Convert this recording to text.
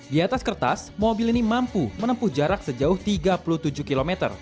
di atas kertas mobil ini mampu menempuh jarak sejauh tiga puluh tujuh km